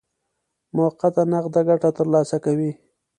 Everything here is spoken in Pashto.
موقته نقده ګټه ترلاسه کوي.